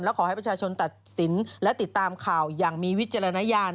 ขอให้ประชาชนตัดสินและติดตามข่าวอย่างมีวิจารณญาณ